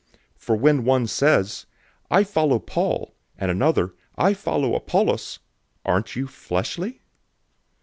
003:004 For when one says, "I follow Paul," and another, "I follow Apollos," aren't you fleshly?